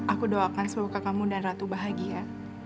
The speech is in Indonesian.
aku doakan sebuah kekamu dan ratu bahagia